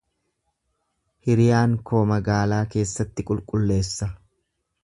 Hiriyaan koo magaalaa keessatti qulqulleessa